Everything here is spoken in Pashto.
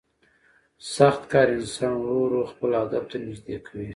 سخت کار انسان ورو ورو خپل هدف ته نږدې کوي